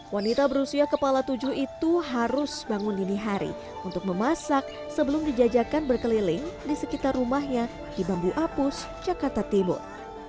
wanita berusia kepala tujuh itu harus bangun dini hari untuk memasak sebelum dijajakan berkeliling di sekitar rumahnya di bambu apus jakarta timur